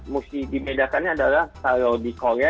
mesti dibedakannya adalah kalau di korea